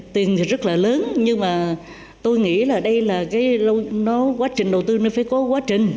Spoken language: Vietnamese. tiền thì rất là lớn nhưng mà tôi nghĩ là đây là cái quá trình đầu tư nó phải có quá trình